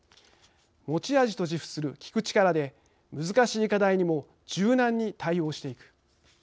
持ち味と自負する聞く力で難しい課題にも柔軟に対応していく。